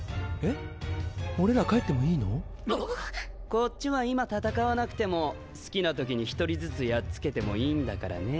こっちは今戦わなくても好きな時に１人ずつやっつけてもいいんだからね。